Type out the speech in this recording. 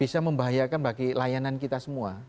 bisa membahayakan bagi layanan kita semua